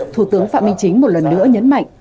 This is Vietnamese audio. thủ tướng phạm minh chính một lần nữa nhấn mạnh